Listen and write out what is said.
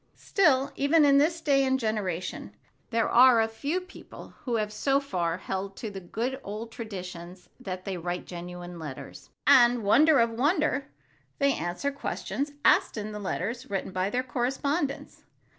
Still, even in this day and generation, there are a few people who have so far held to the good old traditions that they write genuine letters. And—wonder of wonders!—they answer questions asked them in letters written by their correspondents.